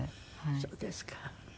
そうですか。